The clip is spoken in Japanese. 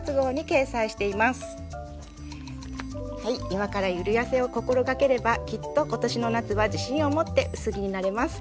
今からゆるやせを心掛ければきっと今年の夏は自信を持って薄着になれます。